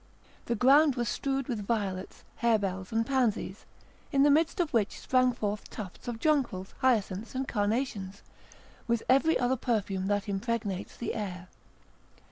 The ground was strewed with violets, hare bells, and pansies, in the midst of which sprang forth tufts of jonquils, hyacinths, and carnations, with every other perfume that impregnates the air.